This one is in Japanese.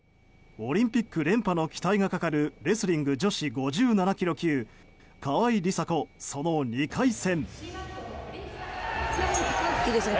オリンピック連覇の期待がかかるレスリング女子５７ｋｇ級川井梨紗子、その２回戦。